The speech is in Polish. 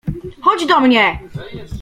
— Chodź do mnie!